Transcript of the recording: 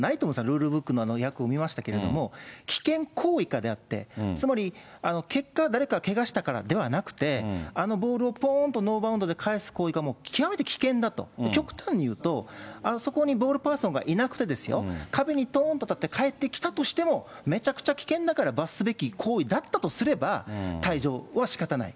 ルールブックの訳を見ましたけれども、危険行為かであって、つまり結果、誰かけがしたからではなくて、あのボールを、ぽーんとノーバウンドで返す行為が、もう極めて危険だと、極端に言うと、そこにボールパーソンがいなくてですよ、壁にどーんと当たって返ってきたとしても、めちゃくちゃ危険だから罰すべき行為だったとすれば、退場はしかたない。